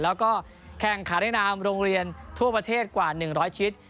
และแข่งขันต่างดำรงเรียนทั่วประเภทกว่า๑๐๐ชิ้น